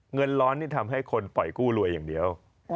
เงินร้อนนี่ทำให้คนปล่อยกู้รวยอย่างเดียว